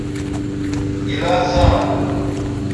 گلاس صاف تھو